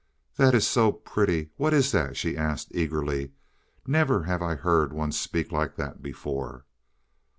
"That is so pretty what is that?" she asked eagerly. "Never have I heard one speak like that before."